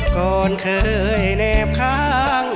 ก่อนเคยแนบค้าง